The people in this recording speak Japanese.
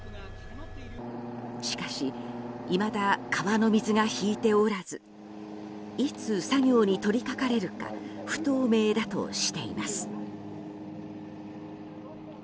しかし、いまだ川の水が引いておらずいつ作業に取り掛かれるか不透明だとしています。